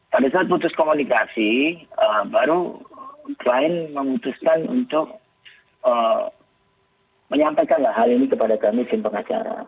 pada saat putus komunikasi baru klien memutuskan untuk menyampaikan hal ini kepada kami tim pengacara